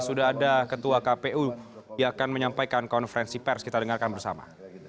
sudah ada ketua kpu yang akan menyampaikan konferensi pers kita dengarkan bersama